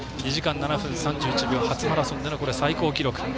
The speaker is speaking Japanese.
２時間７分３１秒初マラソンでの最高記録。